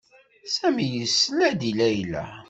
Sami yesla-d i Layla.